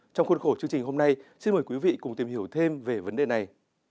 trong khuôn khổ chương trình hôm nay xin mời quý vị cùng tìm hiểu thêm về vấn đề này